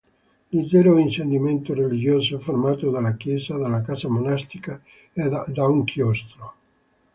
L'intero insediamento religioso è formato dalla chiesa, dalla casa monastica e da un chiostro.